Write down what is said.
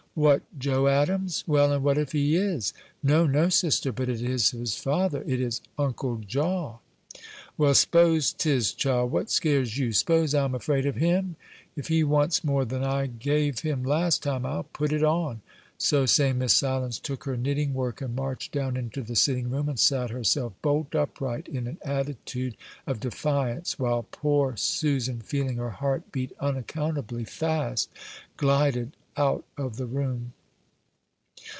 "What, Joe Adams? Well, and what if he is?" "No, no, sister, but it is his father it is Uncle Jaw." "Well, s'pose 'tis, child what scares you? S'pose I'm afraid of him? If he wants more than I gave him last time, I'll put it on." So saying, Miss Silence took her knitting work and marched down into the sitting room, and sat herself bolt upright in an attitude of defiance, while poor Susan, feeling her heart beat unaccountably fast, glided out of the room.